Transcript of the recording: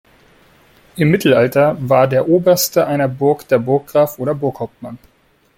Im Mittelalter war der oberste einer Burg der Burggraf oder Burghauptmann.